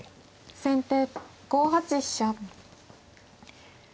先手５八飛車。